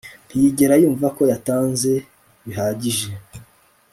Ntiyigera yumva ko yatanze bihagije